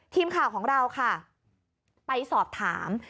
ทีมข่าวของเราค่ะไปสอบถาม